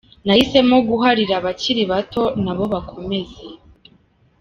Nahisemo guharira abakiri bato nabo bakomeze.